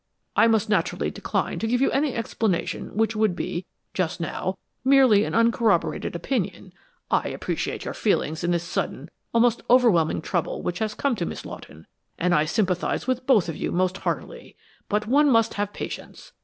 I must naturally decline to give you any explanation which would be, just now, merely an uncorroborated opinion. I appreciate your feelings in this sudden, almost overwhelming trouble which has come to Miss Lawton, and I sympathize with both of you most heartily; but one must have patience.